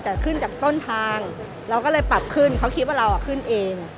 แต่ขึ้นจากต้นทางเราก็เลยปรับขึ้นเขาคิดว่าเราขึ้นเอง